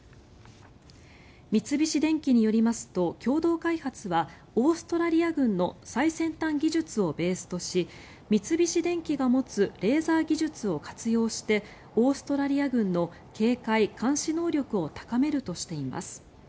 三菱電機によりますと共同開発はオーストラリア軍の最先端技術をベースとし三菱電機が持つレーザー技術を活用してオーストラリア軍の警戒監視能力を高めるとしています。